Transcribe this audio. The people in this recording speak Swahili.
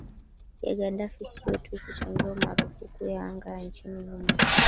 ya gaddafi sio tu kuangazia marufuku ya anga ya nchini humo